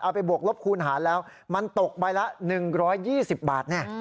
เอาไปบวกลบคูณหาแล้วมันตกไปละ๑๒๐บาท